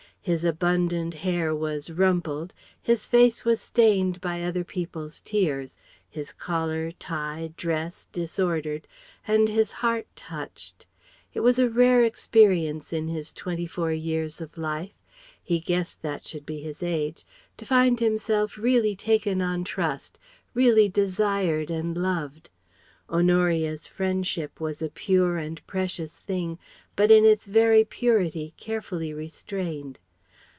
His abundant hair was rumpled, his face was stained by other people's tears, his collar, tie, dress disordered, and his heart touched. It was a rare experience in his twenty four years of life he guessed that should be his age to find himself really taken on trust, really desired and loved. Honoria's friendship was a pure and precious thing, but in its very purity carefully restrained.